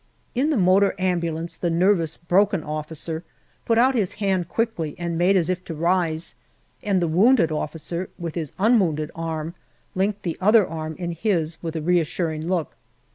In the motor ambulance the nervous broken officer put out his hand quickly and made as if to rise, and the wounded officer with his unwounded arm linked the other arm in his with a reassuring look.